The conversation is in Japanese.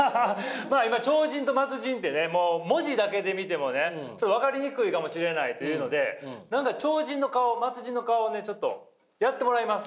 今超人と末人って文字だけで見てもねちょっと分かりにくいかもしれないというので何か超人の顔末人の顔をちょっとやってもらいます。